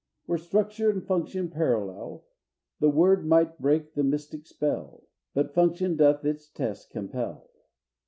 II. Were structure and function parallel, The word might break the mystic spell, But function doth its test compel.